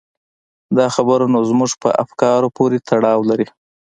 دا خبره نو زموږ په افکارو پورې تړاو لري.